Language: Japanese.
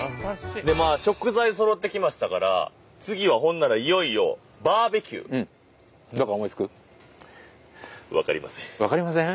食材そろってきましたから次はほんならいよいよ分かりません。